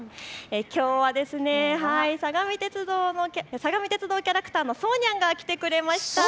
きょうは、相模鉄道のキャラクター、そうにゃんが来てくれました。